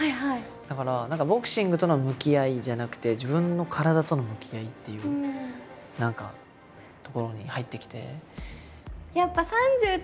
だからボクシングとの向き合いじゃなくて自分の体との向き合いっていうところに入ってきて。